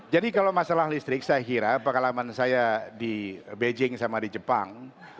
jadi kalau masalah listrik saya kira pengalaman saya di beijing sama di jepang